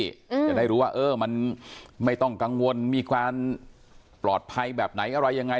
จะได้รู้ว่าเออมันไม่ต้องกังวลมีความปลอดภัยแบบไหนอะไรยังไง